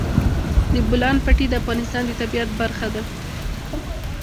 د بولان پټي د افغانستان د طبیعت برخه ده.